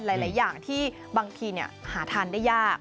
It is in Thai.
หลายอย่างที่บางทีหาทานได้ยาก